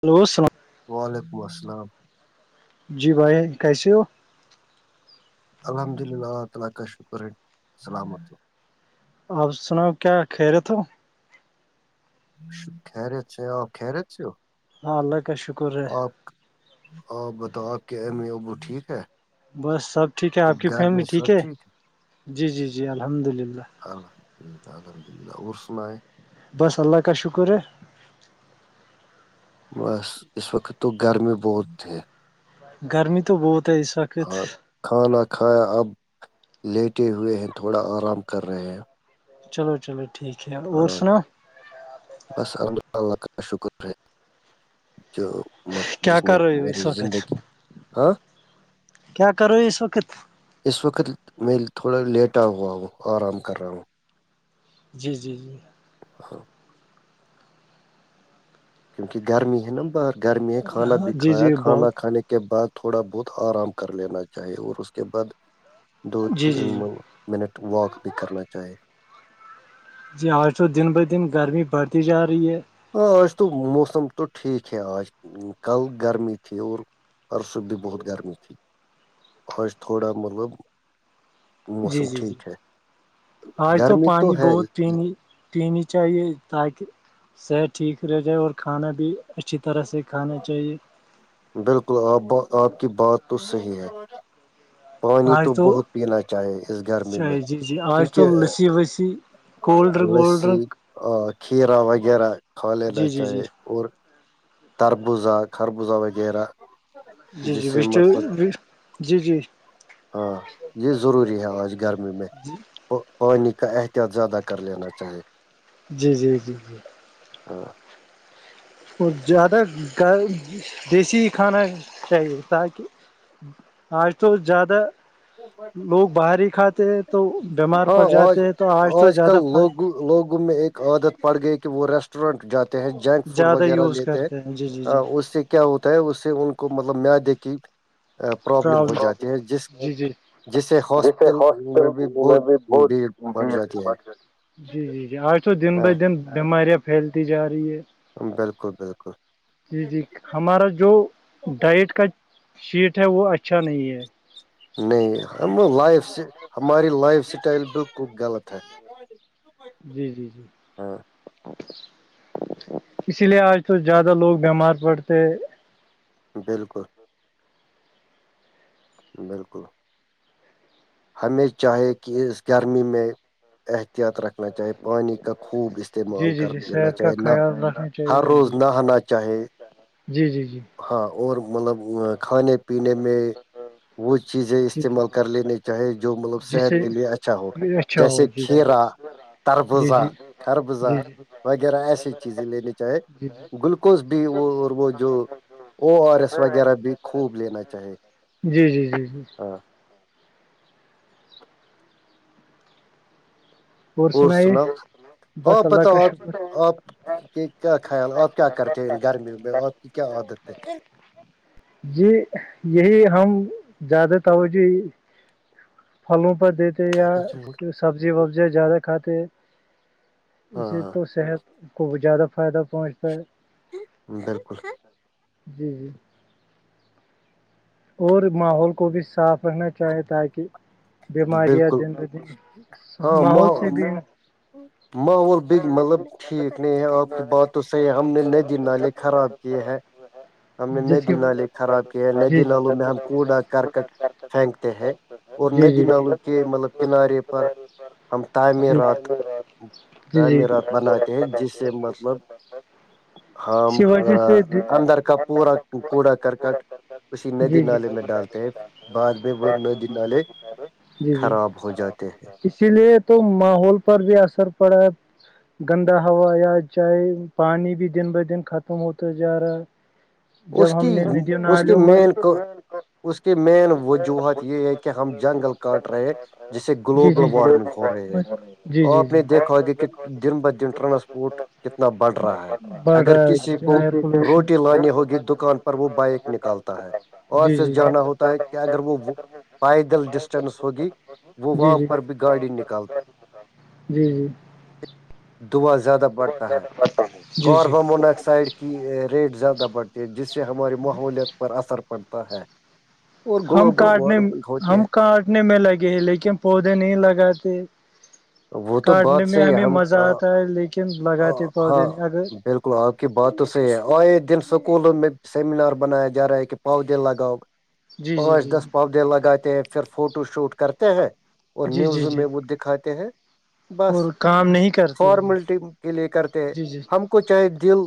hello سام وعلیکم السلام جی بھائی کیسے ہو الحمد للہ تعالی کا شکر ہے السلام آپ سناؤ کیا کہ رہے تھ ہو خیرے سے آ خیرت ہاں اللہ کا شکر ہے آپ آپ بتاؤ آپ کے ایم ای ابو ٹھیک ہے بس سب ٹھیک ہے آپ کی گھر میں فیملی ٹھیک سب ہے جی جی جی الحمد للہ الحمد للہ الحمد للہ اور سنائیں بس اللہ کا شکر ہے بس اس وقت تو گر میں بہت تھے گرمی تو بہت ہے اس وقت ہاں کھانا کھایا اب لیٹے ہوئے ہیں تھوڑا آرام کر رہے ہیں چلو چلو ٹھیک ہے اور ہاں سناؤ بس الحمد اللہ کا شکر ہے جو کیا جس نے کر رہے ہو اس میری وقت زندگی ہاں کیا کر رہے ہو اس وقت اس وقت میں تھوڑا لیٹا ہوا ہوں آرام کر رہا ہوں جی جی جی ہاں کیونکہ گرمی ہے نا باہر گرمی ہے کھانا ہاں بھی جی کھایا جی کھانا بہت کھانے کے بعد تھوڑا بہت آرام کر لینا چاہیے اور اس کے بعد دو جی تین جی جی منٹ واک بھی کرنا چاہے جی آج تو دن ب دن گرمی بڑھتی جا رہی ہے ہاں آج تو موسم تو ٹھیک ہے آج کل گرمی تھی اور پرس بھی بہت گرمی تھی آج تھوڑا مطلب جی موسم جی جی ٹھیک ہے آج تو گرمی پانی ہے بہت پین کلینی چاہیے تاکہ صحت ٹھیک رہ جائے اور کھانا بھی اچھی طرح سے کھانا چاہیے بالکل آپ آپ کی بات تو صحیح ہے پانی تو بہت پینا چاہے اس گرمی میں چاہیے جی جی آج کیونکہ تو لسی وسی کولڈ ڈرنک وولڈ لسی ڈرنک اور کھیرا وغیرہ کھا لینا جی جی جی چاہے اور تربوزا خربوزا وغیرہ جی جس جی و سے تو مطلب جی جی ہاں یہ ضروری ہے آج گرمی میں جی پانی کا احتیاط زیادہ کر لینا چاہیے جی جی جی جی ہاں اور زیادہ دیسی کھانا چاہیے تاکہ آج تو زیادہ لوگ باہر ہی کھاتے ہیں تو بیمار ہاں پڑ آج جاتے ہیں تو آج تو کل زیادہ لوگ لوگوں میں ایک عادت پڑ گئی کہ وہ ریسٹورنٹ جاتے ہیں جنک فوڈ زیادہ وغیرہ یوز لیتے ہیں کرتے جی جی جی اس سے کیا ہوتا ہے اس سے ان کو مطلب مدے کی پرابلم ہو جاتی ہے جس جی جی جس سے ہاسپٹل میں بھی بہت بھیڑ پڑ جاتی ہے جی جی جی آج تو دن ب ہاں دن بیماریاں پھیلتی جا رہی ہے بالکل بالکل جی جی ہمارا جو ڈائٹ کا شیٹ ہے وہ اچھا نہیں ہے نہیں ہم لائف ہماری لائف اسٹائل بالکل غلط ہے جی جی جی ہاں اسی لیے آج تو زیادہ لوگ بیمار پڑتے بالکل بالکل ہمیں چاہے کہ اس گرمی میں احتیاط رکھ نہ چاہے پانی کا خوب جی استعمال جی کر جی نہ صحت کا چاہے خیال رکھنا ہر چاہیے روز جی نہ ہونا چاہے جی جی جی ہاں اور مطلب کھانے پینے میں وہ چیزیں جی جی استعمال کر لیینی چاہے جو مطلب جس صحت سے کے لیے اچھا ہو اچھا جیسے ہو جی کھیرا جی جی تربزا جی جی خربزا جی جی وغیرہ ایسی چیز لینے چاہیں جی گلوکوز بھی وہ اور وہ جو آر ایس وغیرہ بھی خوب لینا چاہے جی جی جی جی ہاں اور سناؤ اور بس آپ اللہ کا بتاؤ آپ شکر آپ کے کیا خیال آپ کیا کرتے ہیں ان گرمیوں میں آپ کی کیا عادت ہے جی یہی ہم زیادہ توجہ پھلوں پر دیتے یا ہے سبزی وبزیاں زیادہ کھاتے ہاں اسے ہاں تو صحت کو بھی زیادہ فائدہ پہنچتا ہے بالکل جی جی اور ماحول کو بھی صاف رکھنا چاہے تاکہ بیماریاں بالکل دن ب دن ہاں مح ماحول سے بھی ماحول مطلب ٹھیک نہیں ہے آپ کی بات تو صحیح ہے ہم نے ن ج نالے خراب کیے ہیں ہم نے جس کی ندی نالے خراب کیے ہیں جی جی ندی نالوں میں ہم کوڑا کرکٹ پھینکتے ہیں اور جی جی جی ندی نلوں کے مطلب کنارے پر ہم جی تعمیرات جی جی تعمیرات بناتے ہیں جس سے مطلب ہاں اسی وجہ سے اندر کا پورا کوڑا کرکٹ اسی ندی جی جی نالے میں ڈالتے ہیں بعد میں وہ ندی نالے جی جی خراب ہو جاتے ہیں اسی لیے تو ماحول پر بھی اثر پڑا ہے گندا ہوا یا چاہے پانی بھی دن بہ دن ختم ہوتا جا رہا ہے جب اس ہم کی نے ندی اس کے نالوں میں مین کو اس کی مین وجوہات یہ ہے کہ ہم جنگل کاٹ رہے ہیں جسے جی گلوبل جی جی وارمنگ ہو رہی ہے جی اور جی اپنی جی دیکھاؤگے کہ دن ب دن ٹرانسپورٹ کتنا بڑھ رہا ہے بڑھ اگر رہا کسی ہے کو ایئر پولوشن روٹی لانی ہوگی دکان پر وہ بائک نکالتا ہے اور جی پھر جی جی جانا ہوتا ہے کہ جی اگر وہ پائیدل ڈسٹینس ہوگی وہ جی وہاں پر بھی گاڑی نکل جی جی دعاں زیادہ بڑھتا ہے جی جی کاربن مونا آکسائڈ کے کی ریٹ زیادہ بڑھتی ہے جس سے ہماری ماحولیت پر اثر پڑتا ہے اور ہم گلوبل کاٹنے وارمنگ ہوتی ہم ہے کاٹنے میں لگے ہیں لیکن پودے نہیں لگاتے وہ تو کاٹنے بات میں صحیح ہے ہمیں ہم مزہ آتا ہے لیکن لگاتے ہاں پودے نہیں اگر بالکل آپ کی بات تو صحیح ہے آئے دن سکولوں میں سیمینار بنایا جا رہا ہے کہ پؤودے لگاؤ جی جی پانچ جی دس پودے لگاتے ہیں پھر فوٹو شوٹ کرتے ہیں اور جی جی نیوز جی میں وہ دکھاتے ہیں بس اور کام نہیں کرتے فارملٹی کے لیے کرتے ہیں جی جی ہم کو چاہے دل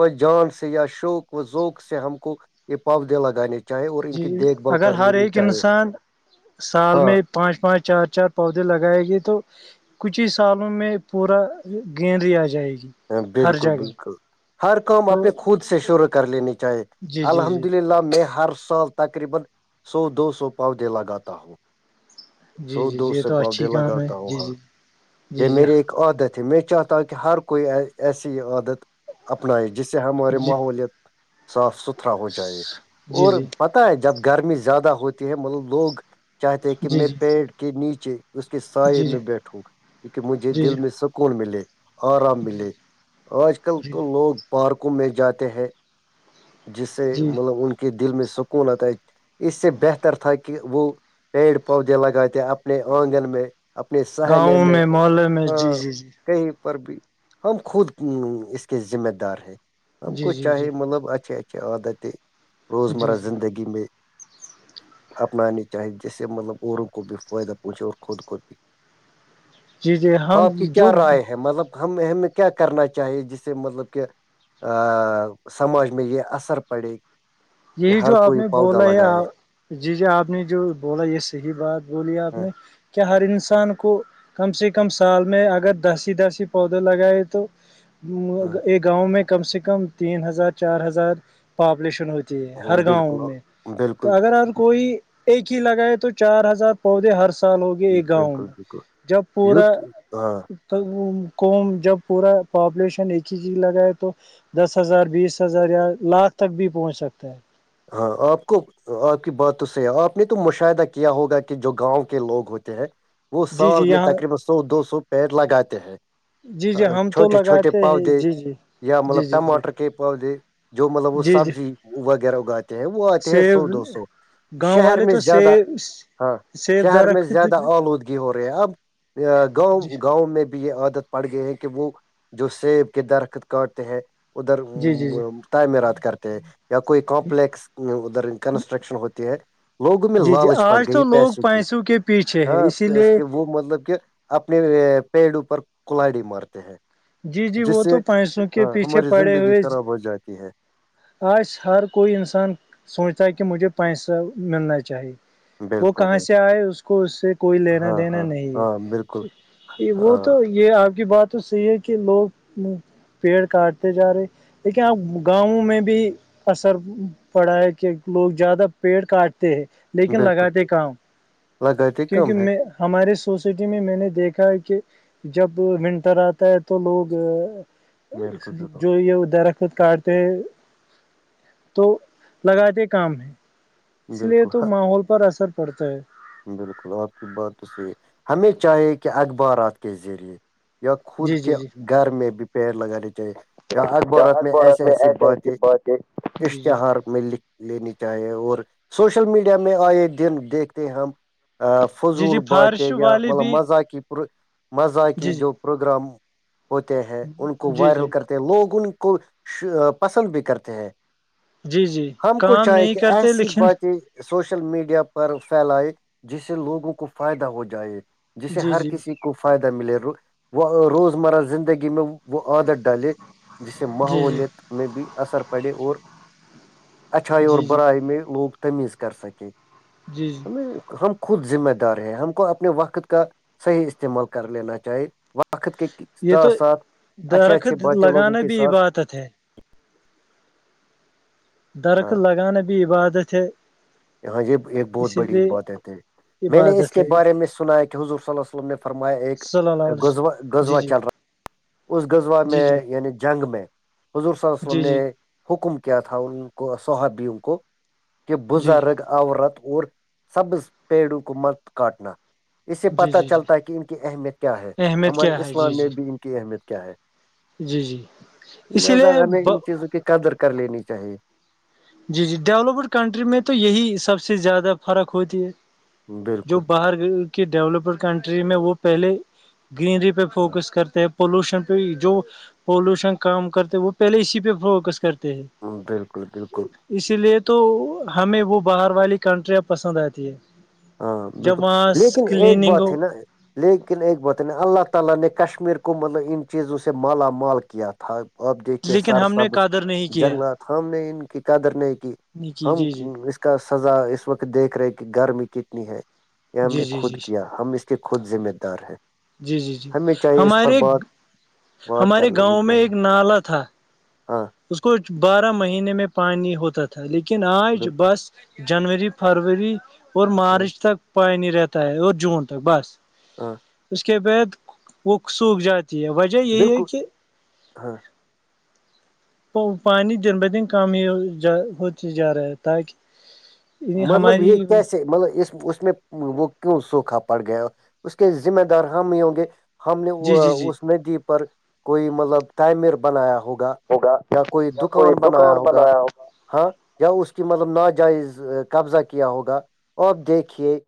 و جان سے یا شوق و ذوق سے ہم کو یہ پؤودے لگانےاہ جی اگر ہر ایک انسان سال ہاں میں پانچ پانچ چار چار پودے لگائے گے تو کچھ ہی سالوں میں پورا گینری آ جائے گی ہر بالکل جگہ بالکل ہر کام تو اپنے خود سے شروع کر لینی چاہیے جی جی جی الحمد للہ میں ہر سال تقریباسو دو سو پودے لگاتا ہوں جی سو جی دو جی یہ سے تو اچھی پاپدیلا کام ہے گتا ہوں جی ہاں جی یہ جی جی میرری ایک عادت ہے میں چاہتا ہ کہ ہر کوئی ایسی یہ عادت اپنائے جس سے ہمارے جی ماحوولت صاف ستھرا ہو جائے جی اور جی جب گرمی زیادہ ہوتی ہے مطلب لوگ چاہتے ہیں کہ جی جی میں جی پیڑ کے نیچے اس کے سائے جی جی میں بیٹھوں کیونکہ مجھے جی دل میں سکون ملے جی ملے آج کل جی تو لوگ پارکوں میں جاتے ہیں جس سے جی مطلب ان کے دل میں سکونت آئی اس سے بہتر تھا کہ کہ وہ پیڑ پودے لگاتے اپنے آنگن میں اپنے سہنے گاؤں میں محلے میں ہ جی جی جی کہیں پر بھی ہم خود اس کے ذمہ دار ہیں ہم جی جی کو جی چاہے مطلب اچ اچھے اچھے عادتیں روز جی جی مرہ زندگی میں اپنانی چاہیے جس سے مطلب عوں کو بھی فائدہ پہنچے اور خود کو بھی جی جی ہم آپ کی جو کیا رائے ہے مطلب ہم ہمیں کیا کرنا چاہیے جسے مطلب کہ سماج میں یہ اثر پڑے کہ یہی ہر جو آپ کوئی نے پودا بولا لگائے ہے جی جی آپ نے جو بولا یہ صحی بات بولی آپ ہاں نے کیا ہر انسان کو کم سے کم سال میں اگر دسی دسی پودے لگائے تو ہاں ایک گاؤں میں کم سے کم تین ہزار چار ہزار پاپولیشن ہوتی ہاں، ہر گاؤں بالکل میں تو بالکل اگر ا کوئی ایک ہی لگائےیں تو چار ہزار پودے ہر سال ہوگئے ایک گاؤں بالکل میں بالکل جب پورا یت ہاں تو کووم جب پورا پاپولیشن ایک ہی چیز لگا ہے تو دس ہزار بیس ہزار یا لاکھ تک بھی پہنچ سکتا ہے ہاں آپ کو آپ کی بات تو صحیح ہے آپ نے تو مشاہدہ کیا ہوگا کہ جو گاؤں کے لوگ ہوتے ہیں وہ جی سال جی میں یہاں تقریبا سو دو سو پیڑ لگاتے ہیں جی جی ہم تو چھوٹے چھوٹے لگاتے ہیں پودے جی جی یا جی مطلب جی جی ٹماٹر کے پودے جو مطلب وہ جی جی سبزی وغیرہ اگاتے ہیں وہ آتے ہیں سیب سو دو سو گاؤں شہر والے میں تو زیادہ سیب ہاں سیب شہر میں درخت جی زیادہ جی آلودگی ہو رہی ہے اب گاؤں گاؤں میں یہ عادت پڑ گئی ہیں کہ وہ جو سیب کے درخت کاٹتے ہیں ادھر جی جی میںراد کرتے یا کوئی کو س ادھر کنسٹرکشن ہوتے ہے لوگوں میں جی جی لالچ پڑ آج تو گئی لوگ پیسوں کی کے پیچھے ہے اسی ہاںس لیے کے وہ مطلب کہ اپنے پیڑوپر کلاڑی مارتے ہیں جی جی جس وہ سے تو پیسوں کے ہاں پیچھے ہماری پڑے زندگی ہوئے خراب ہو جاتی ہے آج ہر کوئی انسان سوچتا ہے کہ مجھے پیسہ ملنا چاہیے وہ بالکل کہاں سے بالکل آئے اس کو اس سے کوئی لینا ہاں دینا ہاں نہیں ہے ہاں بالکل یہ وہ ہاں تو یہ آپ کی بات تو صحیح ہے کہ لوگ پیڑ کاٹتے جا رہے لیکن آپ گاؤوں میں بھی بھی اثر پڑا ہے کہ لوگ زیادہ پیٹ کاٹ ہیں لیکن بالکل لگاتے کام لگاتے کیونکہ کم ہے میں ہمارے سوسائٹی میں میں نے دیکھا ہے کہ جب منٹر آتا ہے تو لوگ بالکل بالکل جو یہ درخت کاٹتے ہیں تو لگاتے کام ہیں اس لیے بالکل تو ماحول پر اثر پڑتا ہے بالکل آپ کی بات تو صحیح ہے ہمیں چاہیے کہ اخبارات کے ذریعے یا خود جی جی کے جی گھر میں بھی پیڑ لگانے چاہیے اخبارات میں ایس ایسی باتیں جی جی اشتہار میں لکھ لینی چاہی اور سوشل میڈیا میں آئے دن دیکھتے ہم جی جی فضول باتیں فارش یا والے مطلب بھی مزاقی پر مزاقی جی جی جو پروگرام ہوتے ہیں ان کو جی وائرل جی کرتے لوگ ان کو پسند بھی کرتے ہیں جی جی ہم کو کام چاہے نہیں کہ کرتے ایسی لیکن باتیں سوشل میڈیا پر پھیلائے جس سے لوگوں کو فائدہ ہو جائے جسے جی ہر جی کسی کو فائدہ ملے وہ روزمرہ زندگی میں وہ عادت ڈالے جس سے جی جی ماحوولت میں بھی اثر پڑے اور اچھائی اور جی جی برائی میں لوگ تمیز کر سکے جی جی ہم خود ذمہ دار ہیں ہم کو اپنے وقت کا صحیح استعمال کر لینا چاہی وقت کے یہ تو ساس ساتھ اچھا اچھے بایہ لوگوں کے ساتس بتا تھے ہاں درکت لگانا بھی عبادت ہے ہاں یہ ایک بہت اسی بڑی لیے بات ہے تھی میں نے اس عبادت کے ہے بارے میں سنا کہ حضرور صلاحو علیہ وسلم نے فرمایا ایک صلی اللہ علیہ غزا وسلم جی غزوہ جی چل رہا اس غزوہ جی میں جی یعنی جنگ میں حضور صیہ وسلم جی نے جی حکم کیا تھا ان کو صحابیوں کو کہ جی بزرگ عورت اور سبز پیڑوں کو مت کاٹنا اسے جی پت جی جی چلتا ہے کہ ان کی اہمیت کیا ہے اہمیت ہمارے کیا ہے جی اسلام میں جی بھی ان کی اہمیت کیا ہے جی جی اسی لہذا لیے ہمیں ان چیزوں کی قدر کر لینی چاہیے جی جی ڈیولپڈ کنٹری میں تو یہی سب سے زیادہ فرق ہوتی ہے جو بالکل باہر کی ڈیولپڈ کنٹری میں وہ پہلے گرینری پہ فوکس کرتے پولوشن پہ جو پولوشن کام کرتے وہ پہلے اسی پہ فوکس کرتے ہیں بالکل بالکل اسی لیے تو ہمیں وہ باہر والی کنٹریاں پسند آتی ہے ہاں جب بالکل وہاں لیکن ایک کلیننگ بات ہو ہے نا لیکن ایک وطن اللہ تعالی نے کشمیر کو مطل ان چیزوں سے مالا مال کیا تھا میں نے اسی سے بات کی آپ دیک کےے لیکن سر ہم نے سبز قدر نہیں کیا جنگلات ہم نے ان کی قدر نہیں کی نہیں کی ہم جی جی کا سزا اس وقت دیکھ رہے کہ گرمی کتنی ہے یہ ہم نے جی جی خود جی کیا ہم اس کے خود ذمہ دار ہیں جی جی جی ہمیں چاہیے اس پر ہمارے بات بات ہمارے کر لینی گاؤں میں چاہیے ایک نالا تھا ہاں اس کو بارہ مہینے میں پانی ہوتا تھا لیکن آج بالکل بس جنوری فروری اور ہاں مارچ تک پائی نہیں رہتا ہے اور جون تک بس ہاں اس کے بعد وہ سوکھ جاتی ہے یہی ہے بالکل کہ ہاں پانی دن ب دن کم ہی ہوتی جا رہا ہے تاکہ مطلب ہماری یہ کیسے مطلب اس اس میں وہ کیوں سوکھا پڑ گیا اس کے ذمہ دار ہم ہی ہوں گے ہم نے جی جی جی اس ندی پر کوئی مطلب تعمیر بنایا ہوگا یا کوئی دکان بنایا ہوگا ہاں یا اس کی مطلب ناجائز قبضہ کیا ہوگا آپ دیکھیے